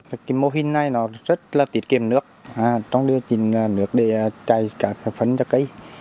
cái mô hình này nó rất là tiết kiệm nước trong điều chỉnh nước để chai cả phấn cho cây